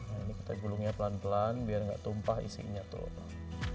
nah ini kita gulungnya pelan pelan biar nggak tumpah isinya tuh apa